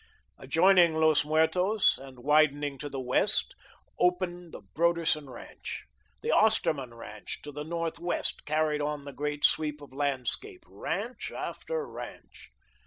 Adjoining Los Muertos, and widening to the west, opened the Broderson ranch. The Osterman ranch to the northwest carried on the great sweep of landscape; ranch after ranch.